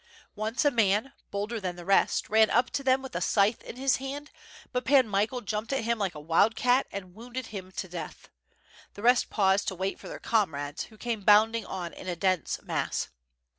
Once a man, bolder than the rest, ran up to them with a scythe in his hand, but Pan Michael jumped at him like a H'nld cat and wounded him to death. The rest paused to wait for their comrades, who came bounding on in a dense mass.